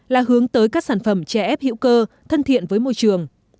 là hướng tới các sản phẩm che ép hiệu cơ thân thiện với môi trường